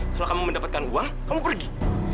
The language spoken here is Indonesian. setelah kamu mendapatkan uang kamu pergi